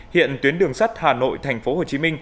hiện tuyến đường sắt hà nội tp hcm